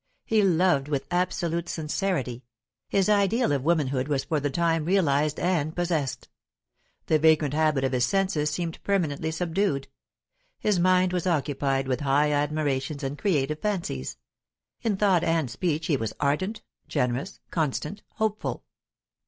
He loved with absolute sincerity; his ideal of womanhood was for the time realized and possessed; the vagrant habit of his senses seemed permanently subdued; his mind was occupied with high admirations and creative fancies; in thought and speech he was ardent, generous, constant, hopeful.